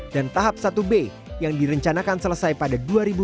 dan tahap satu b yang direncanakan selesai pada dua ribu dua puluh delapan